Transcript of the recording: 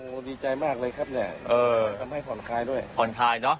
โอ้โหดีใจมากเลยครับเนี่ยเออทำให้ผ่อนคลายด้วยผ่อนคลายเนอะ